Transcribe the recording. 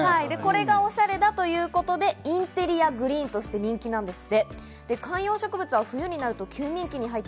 これがおしゃれだということで、インテリアグリーンとして人気ですって。